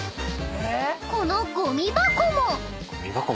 ［このごみ箱も］